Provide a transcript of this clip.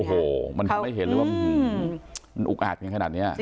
โหมันเขาไม่เห็นเลยว่ามันอุ๊กอาดเพียงขนาดเนี่ย